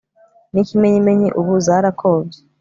n'ikimenyimenyi ubu zarakobye